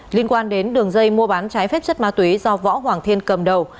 liên quan đến đường dây mua bán trái phép chất ma túy do võ hoàng thiên cầm đầu